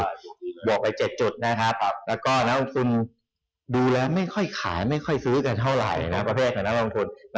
บวกไป๗จุดนะครับแล้วก็นักลงทุนดูแล้วไม่ค่อยขายไม่ค่อยซื้อกันเท่าไหร่นะประเภทของนักลงทุน